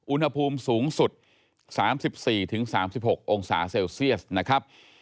อุณหภูมิสูงสุด๓๔๓๖องศาเซลเซียสนะครับ